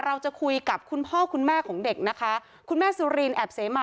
เราจะคุยกับคุณพ่อคุณแม่ของเด็กนะคะคุณแม่สุรินแอบเสมา